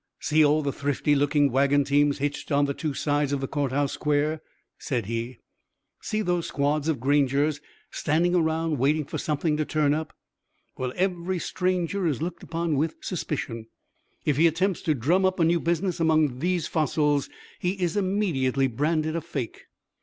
"See all the thrifty looking wagon teams hitched on the two sides of the Court House Square?" said he; "See those squads of grangers standing around waiting for something to turn up? Well, every stranger is looked upon with suspicion. If he attempts to drum up a new business among these fossils, he is immediately branded a 'fake.'